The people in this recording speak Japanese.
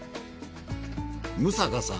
六平さん